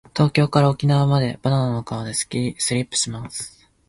東京から沖縄までバナナの皮でスリップします。